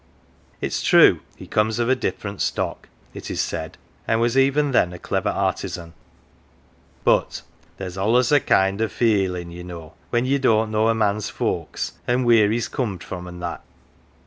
It is true, he comes of decent stock, it is said, and was even then a clever artisan ; but " there's allus a kind of a feeling ye know, when ye don't know a man's folks, an' wheer he's corned from, an' that."